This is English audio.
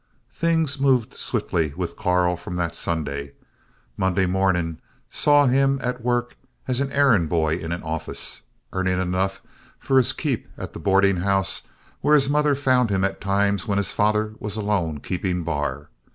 Things moved swiftly with Karl from that Sunday. Monday morning saw him at work as errand boy in an office, earning enough for his keep at the boarding house where his mother found him at times when his father was alone keeping bar.